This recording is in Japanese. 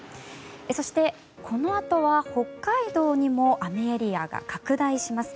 そして、このあとは北海道にも雨エリアが拡大します。